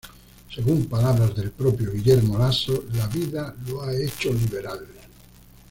Según palabras del propio Guillermo Lasso, "la vida lo ha hecho liberal".